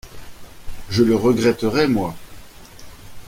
Je le regretterai, moi !…